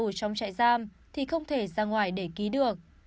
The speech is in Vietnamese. trong trại giam thì không thể ra ngoài để ký được